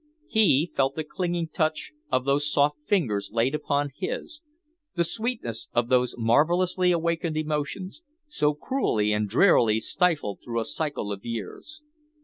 He felt the clinging touch of those soft fingers laid upon his, the sweetness of those marvellously awakened emotions, so cruelly and drearily stifled through a cycle of years.